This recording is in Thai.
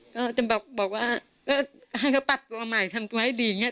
ก็จะบอกว่าก็ให้เขาปรับตัวใหม่ทำตัวให้ดีอย่างนี้